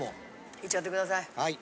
いっちゃってください。